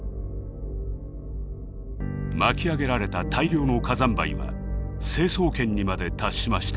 巻き上げられた大量の火山灰は成層圏にまで達しました。